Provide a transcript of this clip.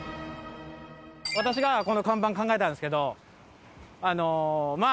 私がこの看板考えたんですけど。